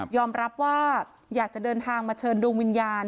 รับว่าอยากจะเดินทางมาเชิญดวงวิญญาณ